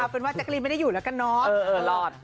เป็นว่าแจ๊กรีนไม่ได้อยู่แล้วกันเนาะ